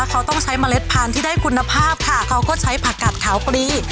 เขาต้องใช้เมล็ดพันธุ์ที่ได้คุณภาพค่ะเขาก็ใช้ผักกัดขาวปลี